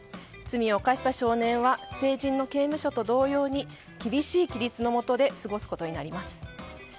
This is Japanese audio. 罪を犯した少年は成人の刑務所と同様に厳しい規律の下で過ごすことになります。